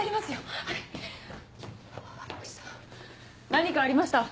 何かありました？